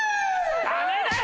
ダメだよ！